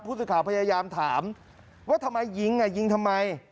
ผู้สื่อข่าวพยายามถามว่าทำไมยิงยิงทำไม